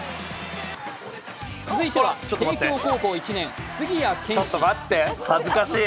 続いては帝京高校１年、杉谷拳士。